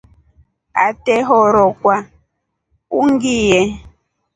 Atehorokya ungiiye.